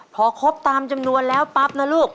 พอครบตามจำนวนแล้วปั๊บนะลูก